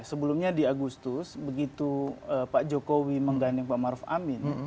sebelumnya di agustus begitu pak jokowi mengganding pak maruf amin